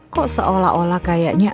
kok seolah olah kayaknya